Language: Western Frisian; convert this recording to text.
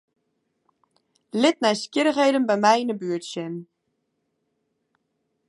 Lit nijsgjirrichheden by my yn 'e buert sjen.